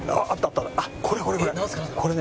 これこれこれ！